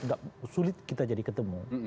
gak sulit kita jadi ketemu